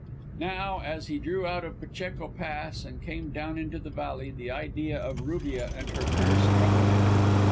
Now, as he drew out of Pacheco Pass and came down into the valley the idea of Rubia and her curse troubled him.